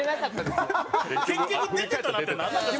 「結局出てたな」ってなんなんですか？